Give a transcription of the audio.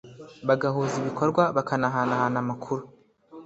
bagahuza ibikorwa bakanahana amakuru